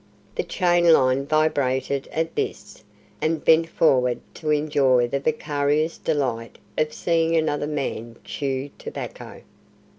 The chain line vibrated at this, and bent forward to enjoy the vicarious delight of seeing another man chew tobacco.